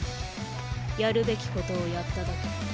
やるべき事をやっただけだ。